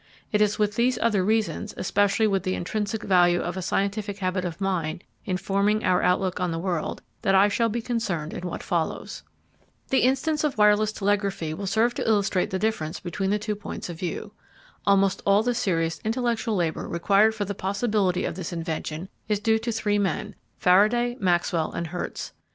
It is with these other reasons, especially with the intrinsic value of a scientific habit of mind in forming our outlook on the world, that I shall be concerned in what follows. The instance of wireless telegraphy will serve to illustrate the difference between the two points of view. Almost all the serious intellectual labour required for the possibility of this invention is due to three men Faraday, Maxwell, and Hertz.